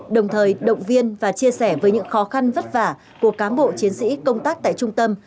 đồng thời động viên và chia sẻ với những khó khăn vất vả của cán bộ chiến sĩ công tác tại trung tâm